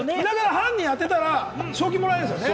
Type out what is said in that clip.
犯人当てたら賞金もらえるんだよね？